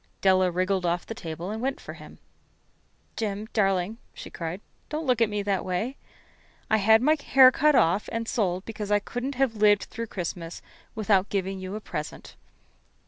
Della wriggled off the table and went for him. "Jim, darling," she cried, "don't look at me that way. I had my hair cut off and sold it because I couldn't live through Christmas without giving you a present.